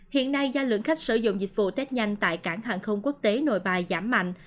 hiện nay do lượng khách sử dụng dịch vụ tết nhanh tại cảng hàng không quốc tế nội bài giảm mạnh